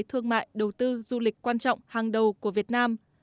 thương mại đầu tư du lịch quan trọng hàng đầu của việt nam